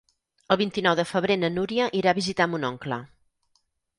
El vint-i-nou de febrer na Núria irà a visitar mon oncle.